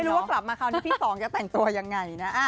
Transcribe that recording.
ไม่รู้ว่ากลับมาคราวนี้พี่สองจะแต่งตัวยังไงนะ